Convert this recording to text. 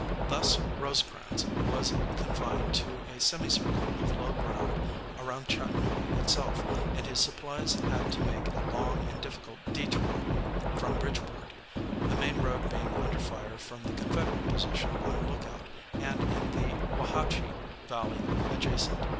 Thus Rosecrans was confined to a semicircle of low ground around Chattanooga itself, and his supplies had to make a long and difficult d├®tour from Bridgeport, the main road being under fire from the Confederate position on Lookout and in the Wauhatchie valley adjacent.